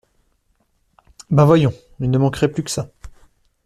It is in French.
Ben voyons... Il ne manquerait plus que ça.